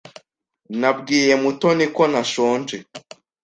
Nabwiye Mutoni ko ntashonje.